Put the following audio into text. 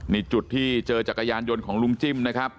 นี่จุดที่เจอจักรยานยนต์ของลุงจิ้มนะครับ